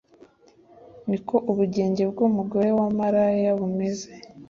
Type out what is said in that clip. “ni ko ubugenge bw’umugore wa maraya bumeze